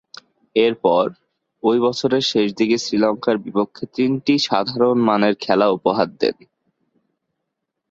এরপর, ঐ বছরের শেষদিকে শ্রীলঙ্কার বিপক্ষে তিনটি সাধারণমানের খেলা উপহার দেন।